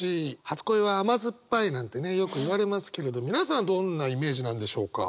「初恋は甘酸っぱい」なんてねよくいわれますけれど皆さんどんなイメージなんでしょうか？